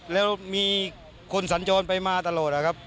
แล้วมีคนสันจรไปมาตลอด